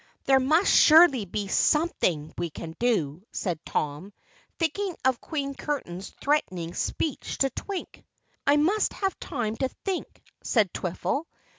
"There must surely be something we can do," said Tom, thinking of Queen Curtain's threatening speech to Twink. "I must have time to think," said Twiffle.